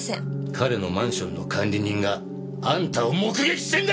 彼のマンションの管理人があんたを目撃してんだよ！